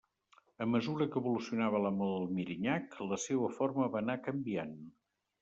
A mesura que evolucionava la moda del mirinyac, la seua forma va anar canviant.